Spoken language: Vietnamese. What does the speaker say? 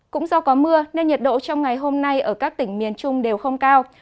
cũng do có mưa nên nhiệt độ trong ngày hôm nay ở các tỉnh miền trung đều không cao